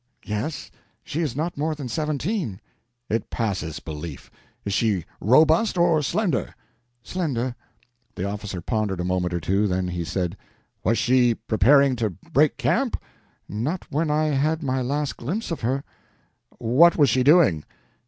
"Yes; she is not more than seventeen." "It passes belief! Is she robust, or slender?" "Slender." The officer pondered a moment or two, then he said: "Was she preparing to break camp?" "Not when I had my last glimpse of her." "What was she doing?"